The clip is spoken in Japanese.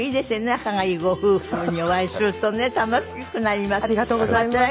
仲がいいご夫婦にお会いするとね楽しくなります。